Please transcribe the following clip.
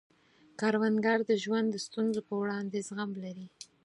کروندګر د ژوند د ستونزو په وړاندې زغم لري